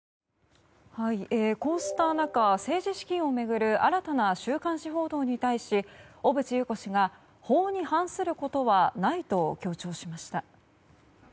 こうした中政治資金を巡る新たな週刊誌報道に対し小渕優子氏が、法に反することはないと強調しました。